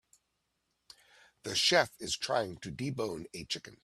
The chef is trying to debone a chicken